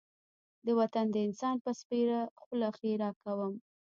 د وطن د انسان په سپېره خوله ښېرا کوم.